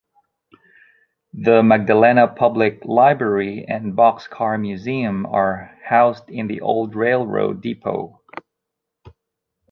The Magdalena Public Library and Boxcar Museum are housed in the old railroad depot.